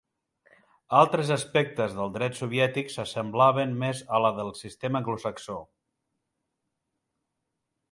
Altres aspectes del Dret soviètic s'assemblaven més a la del sistema anglosaxó.